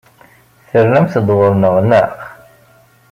Ternamt-d ɣur-neɣ, naɣ?